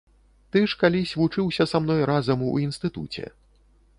Ты ж калісь вучыўся са мной разам у інстытуце.